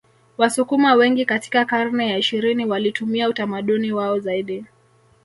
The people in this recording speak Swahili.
Wasukuma wengi katika karne ya ishirini walitumia utamaduni wao zaidi